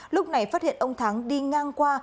lúc này phát hiện ông thắng đi ngang qua